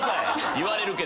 言われるけど。